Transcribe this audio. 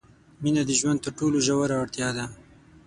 مینه د ژوند تر ټولو ژوره اړتیا ده.